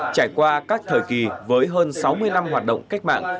trải qua các thời kỳ với hơn sáu mươi năm hoạt động cách mạng